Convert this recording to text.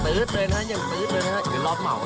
ยังตืรสรอบเหมา